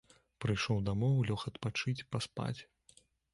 Прыйшоў дамоў, лёг адпачыць, паспаць.